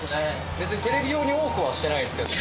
別にテレビ用に多くはしてないですけど。